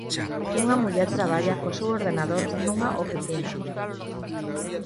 Unha muller traballa co seu ordenador nunha oficina.